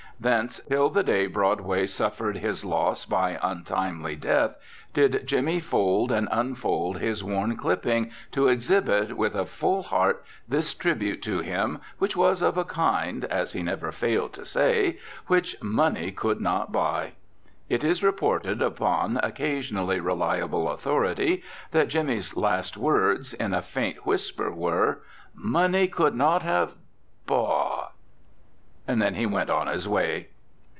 Thence till the day Broadway suffered his loss by untimely death did Jimmy fold and unfold his worn clipping to exhibit with a full heart this tribute to him which was of a kind (as he never failed to say) which "money could not buy." It is reported upon reasonably reliable authority that Jimmy's last words, in a faint whisper, were: "Money could not have bought " And then he went on his way.